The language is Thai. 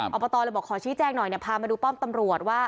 อบตเลยบอกขอชี้แจงหน่อยพามาดูป้อมตำรวจว่า